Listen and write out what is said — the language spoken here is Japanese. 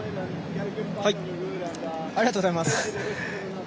ありがとうございます。